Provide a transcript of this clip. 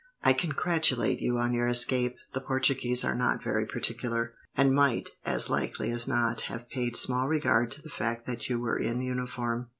"I congratulate you on your escape. The Portuguese are not very particular, and might, as likely as not, have paid small regard to the fact that you were in uniform."